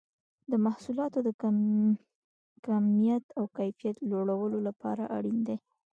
د محصولاتو د کمیت او کیفیت لوړولو لپاره اړین دي.